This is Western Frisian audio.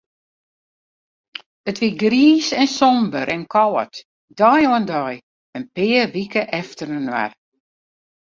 It wie griis en somber en kâld, dei oan dei, in pear wike efterinoar.